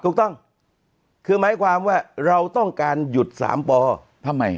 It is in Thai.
ถูกต้องคือหมายความว่าเราต้องการหยุด๓ปทำไม